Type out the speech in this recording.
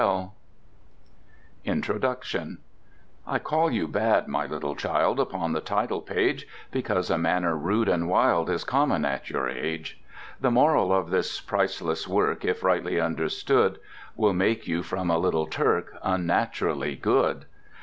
INTRODUCTION I CALL you bad, my little child, Upon the title page, Because a manner rude and wild Is common at your age. The Moral of this priceless work (If rightly understood) Will make you from a little Turk Unnaturally good.